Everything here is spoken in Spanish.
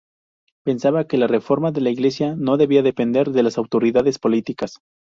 Pensaba que la Reforma de la Iglesia no debía depender de las autoridades políticas.